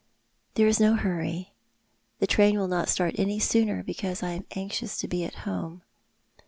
"There is no hurry; the train will not stirt any sooner because I am anxious to be at home.